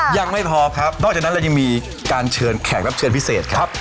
ยังไม่พอครับนอกจากนั้นเรายังมีการเชิญแขกรับเชิญพิเศษครับ